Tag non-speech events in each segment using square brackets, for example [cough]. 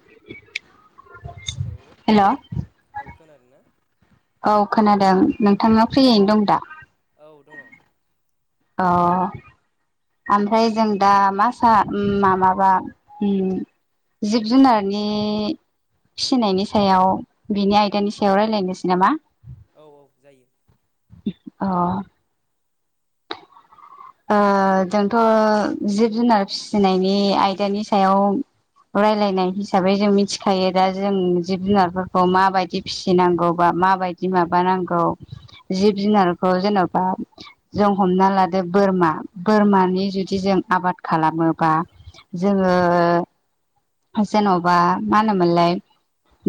[unintelligible] हेल' hello ओव खोनादों ना औ खोनादों नोंथाङा फ्रियैनो दं दा औ दङ अ आमफ्राय जों दा मा सा ओम माबाबा ओम जिब जुनारनि फिनायनि सायाव बिनि आयदानि सायाव रायलायनोसै नामा औ औ जायो अ ओ जोंथ' जिब जुनार फिसिनायनि आयदानि सायाव रायलायनाय हिसाबै जों मिथिखायो दा जों जिब जुनारफोरखौ माबायदि फिसिनांगौबा माबायदि माबानांगौ औ जिब जुनारखौ जेन'बा जों हमना लादो बोरमा बोरमानि जुदि जों आबाद खालामोबा जोङो जेन'बा मा होनोमोनलाय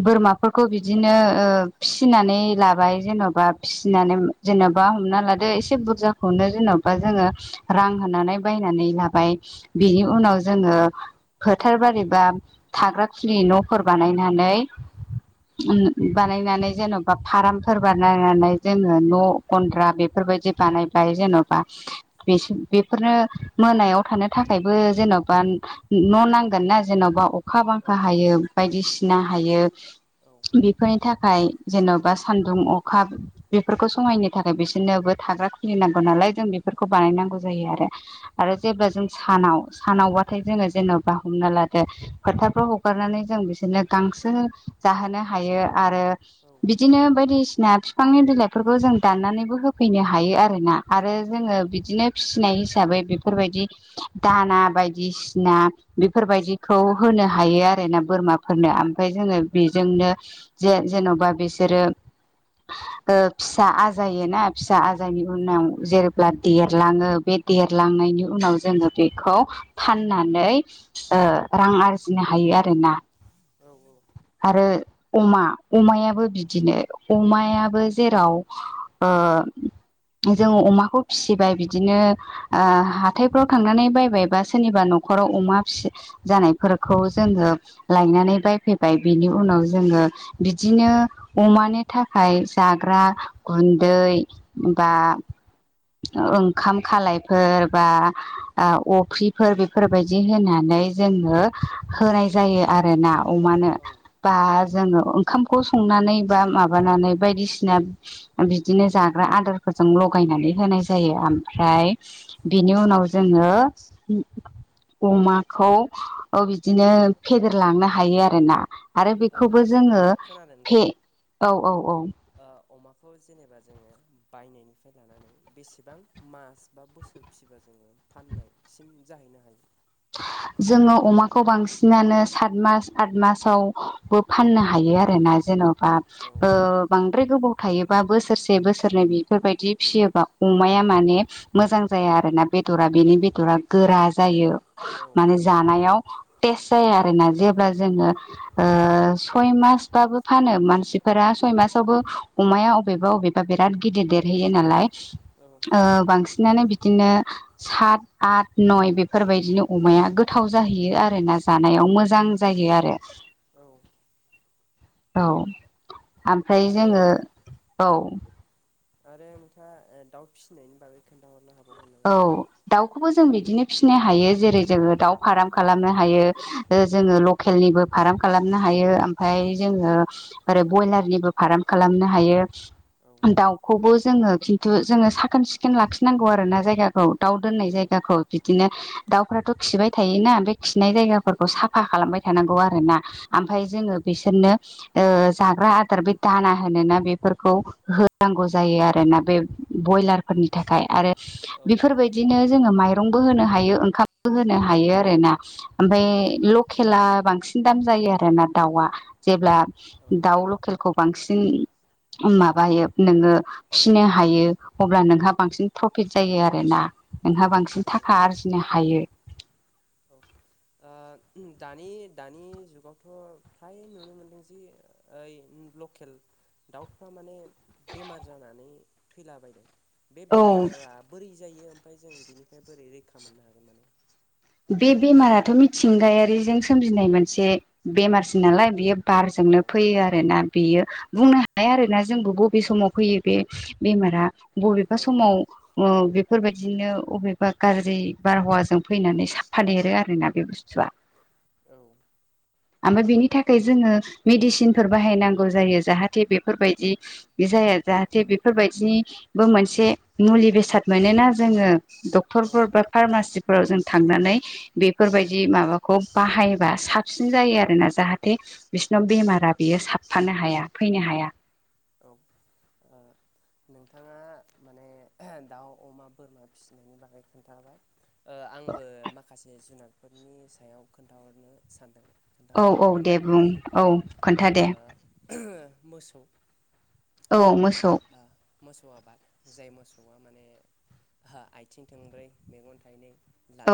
बोरमाफोरखौ बिदिनो ओ फिसिनानै लाबाय जेन'बा फिसिनानै जेन' बा हमना लादो एसे बुरजाखौनो जेन बा जोङो रां होनानै बायनानै लाबाय बिनि उनाव जोङो फोथार बारि बा थाग्रा खुलि न'फोर बानायनानै ओम बानायनानै जेन'बा फार्मफोर बानायनानै जोङो न' गन्द्रा बेफोर बायदि बानायनाय बाय जेन'बा बेसो बेफोरनो मोनायाव थानो थाखायबो जेन'बा न' नांगोन ना जेन'बा अ खा औ बांखा औ हायो बायदिसिना हायो औ बेफोरनि थाखाय जेन'बा सान्दुं अखा बेफोरखौ समहायनो थाखाय बिसोरनोबो थाग्रा खुलिनांगौ नालाय जों बेफोरखौ बानायनांगौ जायो आरो आरो जेबा जों सानाव सानावबाथाय जोङो जेनेबा ह हमनालादो फोथाफ्राव हगारनानै जों बिसोरनो गांसो जाहोनो हायो आरो औ बिदिनो बायदिसिना फि बिफांनि बिलाइफोरखौ जों दाननानैबो होफैनो हायो आरोना आरो जोङो बिदिनो फिसिनाय हिसाबै बेफोरबायदि दाना बायदिसिना बेफोर बायदिखौ होनो हायो आरोना बोरमाफोरनो इमफाय जोङो बेजोंनो जे जेनबा बिसोरो फिसा ओ आजायोना फिसा आजायनायनि उनाव जे देरलाङो बे देरलांनायनि उनाव जोङो बेखौ फाननानै ओ ओ रां आरजिनो हायो आरोना आरो अमा अमायाबो बिदिनो अमायाबो जेराव ओ जोङो अमाखौ फिसिबाय बिदिनो ओ हाथायफ्राव थांनानै बायबायबा सोरनिबा न'खराव अमा फिसि जानायफोरखौ जोङो लायनानै बायफैबाय बेनि उनाव जोङो बिदिनो अमानि थाखाय जाग्रा गुन्दै बा ओंखाम खालायफोर बा ओ अफ्रिफोर बेफोरबायदि होनानै जोङो होनाय जायो आरोना अमानो औ औ बा ओ जोङो ओंखामखौ संनानै बा माबानानै बायदिसिना बिदिनो जाग्रा आदारफोरजों लगायनानै होनाय जा यो ओमफ्राय बिनि उनाव जोङो अमाखौ बिदिनो फेदेरलांनो हायो आरोना आरो बेखौबो जोङो खोनादों फे नोंथां औ औ औ ओ अमाखौ जेनेबा जोङो बायनायनिफ्राय लानानै बेसेबां मास बा बोसोर फिसिबा जों जोङो फाननायसिम जाहैनो हायो। । [inaudible] जोङो अमाखौ बांसिनानो सात मास आठ मासावबो फाननो हायो आरोना जोङो बा औ ओ बांद्राय गोबाव थायोबा बोसोरसे बोसोरनै बेफोरबायदि फिसियोबा अमाया माने मोजां जाया आरोना बे दरा बेनि बेदरा गोरा औ जायो। औ माने जानायाव थेस्थ जाया आरोना जेब्ला जोङो सयमा मासबाबो फानो मानसिफोरा सयमासावबो अमाया अबेबा अबेबा बिराद गिदिर देरो हैयो नालाय औ ओ बांसिनानो बिदिनो सात, आत नय बेफोरबायदिनो अमाया गोथाव जाहैयो आरोना जानायाव मोजां जायो आरो। औ औ ओमफ्राय आरो जोङो औ आरो नोंथाङा दाउ फिसिनायनि बागै खोन्थाहरनो हाबाव औ दाउखौबो जों बिदिनो फिसिनो हायो जेरै जोङो दाउ फार्म खालामनो हायो जोङो लकेलनिबो फार्म खालामनो हायो ओमफ्राय जोङो ओै बयलारनिबो फार्म खालाम खालामनो औ हायो दाउखौबो जोङो खिन्थु जोङो साखोन सिखोन लाखिनांगौ। आरोना जायगाखौ दाव दोननाय औ जायगाखौ बिदिनो दावफोराथ' खिबाय थायोना बे खिनाय उम जायगाफोरखौ साफा खालामबाय थानांगौ आरोना आमफ्राय जोङो बिसोरनो जाग्रा ओ आदार बे दाना मानोना बेफोरखौ होनांगौ जायो आरोना बे बयलारफोरनि थाखाय आरो औ बेफोरबायदिनो जोङो माइरंबो होनो हायो ओंखामबो होनो हायो आरोना। ओमफाय औ लकेला बांसिन दाम जायो आरोना दाउआ जेब्ला औ दाउ लकेलखौ बांसिन माबायो नोङो फिनो हायो अब्ला नोंहा बांसिन प्रफिट जायो आरो। आरोना नोंहा बांसिन औ थाखा आरजिनो हायो। दा दानि दानि जुगावथ' फ्राय नुनो मोनदों जि ओइ लकेल दाउफ्रा माने बेमार जानानै थैलाबायदों। बे औ बेमारा बोरै जायो ओमफ्राय जों बिनिफ्राय बोरै रैखा मोननो हागोन माने? बे बेमाराथ' मिथिंगायारिजों सोमजिनाय मोनसे बेमारसिन नालाय बियो औ बारजोंनो फैयो आरोना बेयो बुंनो हाया आरोना जोंबो बबे समाव फैयो बे बेमारा बबेबा औ समाव बेफोरबायदिनो बबेबा गाज्रि बारहावाजों फैनानै थाफा देरो आरोना बे बुस्थुआ औ ओमफ्राय बिनि थाखाय जोङो मेडिसिनफोर बाहायनांगौ जायो जाहाथे बेफोरबायदि जाया। जाहाथे बेफोरबायदिनिबो मोनसे मुलि बेसाद मोनोना जोङो औ डक्ट'रफोर बा फार्मासिफोराव जों थांनानै बेफोरबायदि माबाखौ बाहायोबा साबसिन जायो आरोना जाहाथे जेन बेमारा बेयो साबफानो हाया फैनो हाया औ ओ नोंथाङा माने दाउ अमा बोरमा फिसिनायनि बागै खोन्थाबाय ओ आंबो माखासे जुनारफोरनि सायाव खोन्थाहरनो सानदों औ औ दे बुं औ खोन्था ओ दे। मोसौ औ मोसौ। ओ मोसौ आबाद जाय मोसौआ माने ओह आथिं थोंब्रै, मेगन थाइनै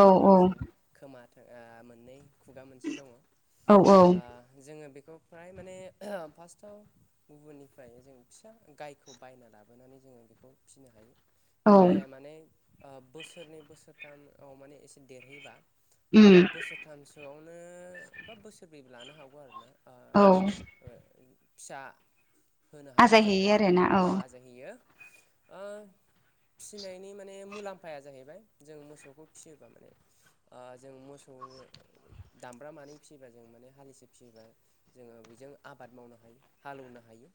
औ औ खोमा ओ मोननै। खुगा मोनसे दङ'। ओ औ जोङो बे खौ फ्राय माने फार्स्टआव गुबुननिफ्राय जों फिसा गायखौ बायना लाबोनानै जोङो बेखौ फिसिनो हायो। बे औ गाया माने ओ बोसोरनै बोसोरथामाव माने एसे देरहैबा उम ओ बोसोरथामसोआव नो बा बोसोरब्रैबो लानो हागौ आरोना ओ औ। ओ फिसा होनो हायो जोंनो आजायहैयो आरोना औ आजायहैयो ओ फिसिनायनि माने मुलाम्फाया जाहैबाय जों मोसौखौ फिसियोबा माने ओ जों मोसौ दामब्रा मानै फियोबा जों माने हालिसे फियोबा जोङो बेजों आबाद मावनो हायो हालौनो हायो।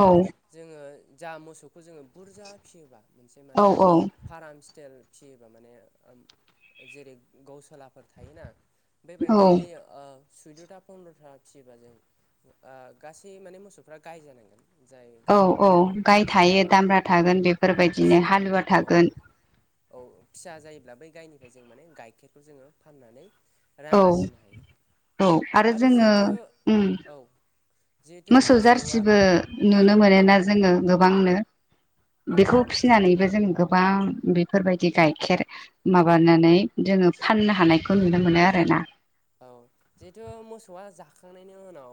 औ। जोङो जा मोसौखौ जोङो बुरजा फियोबा मोनसे औ माने औ फाराम टेल फियोबा माने जेरै गावसलाफोर थायोना बे औ बायदि ओ सुैद'था पन्द्र'था फियोबा जों गासै माने मोसौफ्रा गाय जानांगोन। जाय औ औ गायनिफ्राय जोङो गाय थायो दामब्रा ओ थागोन बेफोरबायदिनो औ हालुवा औ थागोन। औ, फिसा जायोब्ला बै गायनिफ्राय जों माने गाइखेरखौ जोङो फाननानै रां औ आरजिनो हायो औ आरो जोङो उम औ जिहेथु मोसौ मोसौआ जारसिबो नुनो औ मोनोना जोङो गोबांनो औ बेखौ औ फिनानैबो जों गोब बां बेफोरबायदि गाइखेर माबानानै जोङो फाननो हानायखौ नुनो मोनो आरोना। औ जिहेथु मोसौआ जाखांनायनि उनाव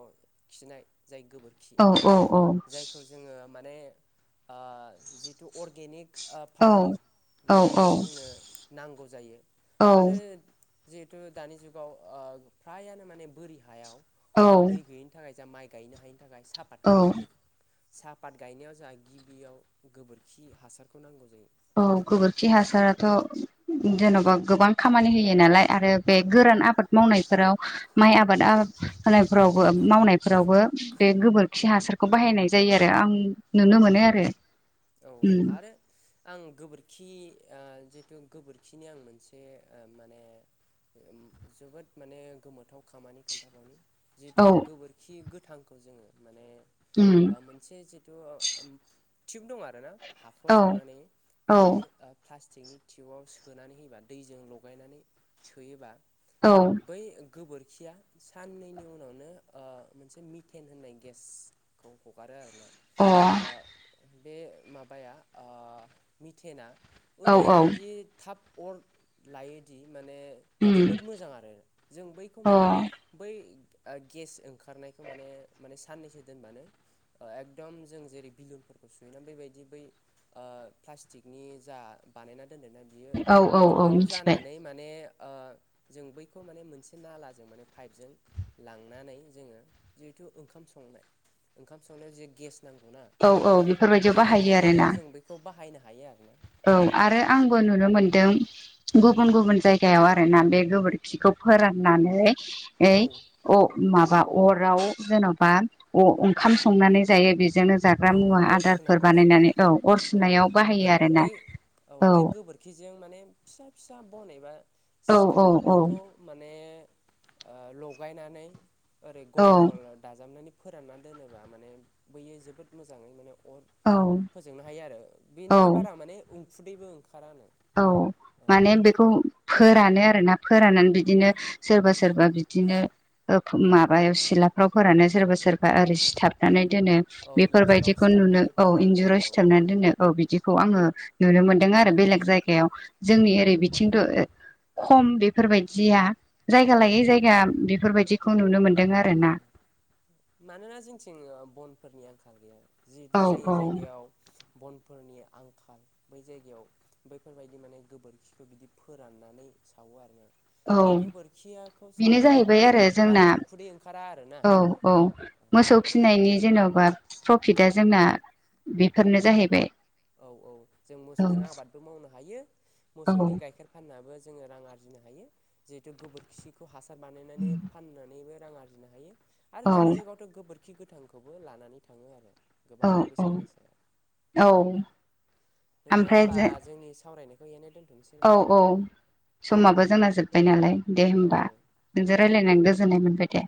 खिनाय जाय गोबोरखि औ औ औ जायखौ जोङो माने ओ जिथु अर्गेनिक औ फार्मिं बैहाय जोंनो नांगौ जायो? औ आरो जिहेथु दानि जुगाव ओ फ्रायानो माने बोरि हायाव औ दै गैयिनि थाखाय जा माइ गायनो हायैनि थाखाय औ सापातखौ गायदों। साहापात गायनायाव जोंहा गिबियाव गोबोरखि हासारखौ नांगौ जायो। औ गोबोरखि हासाराथ' जेन'बा गोबां खामानि होयो नालाय आरो बे औ गोरान आबाद मावनायफोराव माइ आबादा होनायफोरावबो मावनायफोरावबो बे गोबोरखि हासारखौ बाहायनाय जायो आरो आं नुनो मोनो आरो। औ उम आरो आं गोबोर खि जिथु गोबोरखिनि आं मोनसे माने ओ जोबोद माने गोमोथाव खामानि खोन्थाबावनि औ जिहेथु गोबोरखि गोथांखौ जोङो माने उम मोनसे जिथु ओ ओम थिउब दं आरो ना हाखर औ जावनानै बै औ प्लास् सिंनि टिउआव सोनानै होयोबा दैजों लगायनानै सोयोबा औ बै गोबोरखिया साननैनि उनावनो ओ मोनसे मिथेन होननाय गेसखौ हगारो आरो। अ बे माबाया ओ मिटेना अ औ औ ओरैबायदि थाब अर लायोदि माने उम जोबोद मोजां आरो जों बैखौ अ माने बै गेस ओंखारनायखौ माने माने साननैसो दोनबानो। एकदम जों जेरै बिलुनफोरखौ सुहैनानै बेबायदि बिदि बै ओ प्लास्टिकनि जा बानायना। दोनदा बियो औ औ औ दुग्गाव मिथिबाय जानानै माने ओ [inaudible] जों बैखौ माने मोनसे नालाजों माने पाइपजों लांनानै जोङो जिहेथु ओंखाम सं [inaudible] ओंखाम संनायाव जे गेस नांगौना औ औ बेफोरबायदियाव बैबायदि बाहायो आरो। हाबायाव जों बेखौ बाहायनो हायो आरो ना। औ आरो आंबो नुनो मोनदों गुबुन गुबुन जायगायाव आरो ना बे गोबोरखिखौ फोराननानै औ ओइ अ माबा अराव जेन'बा अ ओंखाम संनानै जायो बिदि जजोंनो जाग्रा औ मुवा अर सुनाय आदारफोर अर सुनाय बानायनानै औ अर सुनायाव बाहायो आरो ना। बै औ बै गोबोरखिजों माने फिसा फिसा बनायबा औ औ औ जिगाबफोरखौ माने ओ लगायनानै ओरै औ गल गल दाजाबनानै फोरानना दोनोबा माने बैयो जोबोद मोजाङै माने अ औ फोजोंनो हायो आरो बेनिफ्राय औ बारा माने उखुदैबो ओं औ माने बेखौ फोरानो आर आरो ना फोराननानै बिदिनो सोरबा सोरबा बिदिनो ओ माबायाव सिलाफ्राव फोरानो सोरबा सोरबा ओरै सिथाबनानै। दोनो औ इन्जुराव बेफोरबायदिखौ नुनो सिथाबनानै औ फोरानो आरो इन्जुराव औ सिथाबनानै दोनो औ बिदिखौ आङो। नुनो मोन्दों आरो औ बेलेग जायगा। जोंनि ओरै बिथिंथ' खम बेफोरबायदिया जायगा औ लायै औ जायगा बेफोरबायदिखौ नुनो मोनो। मानोना जोंथिं बनफोरनि आंखाल गैया। जि औ जाय औ जायगायाव बनफोरनि आंखाल बै जायगायाव बैफोरबायदि माने गोबोरखिखौ बिदि फोराननानै। सावो आरो औ ना गोबोरखियाखौ बेनो सावबाबो जाहैबाय माने आरो बारा जोंना उखुदै ओंखारा आरोना औ औ मोसौ बेखाय फिनायनि जेन'बा प्रफिटआ जोंना बेफोरनो जाहैबाय औ औ जों औ मोसौजों आबादबो मावनो हायो औ मोसौनि गाइखेर फाननाबो। जोङो रां आरजिनो हायो जिहेथु गोबोरखिखौ हासार बानायनानै फाननानैबो रां आरजिनो हायो। आरो औ दानि जुगावथ' गोबोरखि गोथांखौबो लानानै थाङो आरो गोबां औ औ बेसेन गोसा। औ नोंथाङा ओमफ्राय होनोमबा जों जोंनि सावरायनायखौ इनो दोनथ - औ औ समाबो जोंना जोब्बाय नालाय दे औ हबा औ नोंजों रायज्लायनानै गोज गोजोननाय मोनबाय दे।